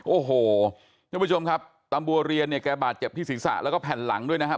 โอ้โหท่านผู้ชมครับตำบัวเรียนเนี่ยแกบาดเจ็บที่ศีรษะแล้วก็แผ่นหลังด้วยนะครับ